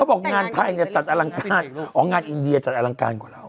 บอกงานไทยเนี่ยจัดอลังการอ๋องานอินเดียจัดอลังการกว่าเรา